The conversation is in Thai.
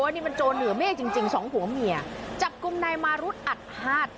นี่มันโจรเหนือเมฆจริงสองผัวเมียจับกลุ่มนายมารุธอัดฮาด